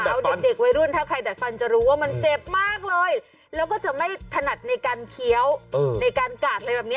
แล้วเด็กวัยรุ่นถ้าใครดัดฟันจะรู้ว่ามันเจ็บมากเลยแล้วก็จะไม่ถนัดในการเคี้ยวในการกาดอะไรแบบนี้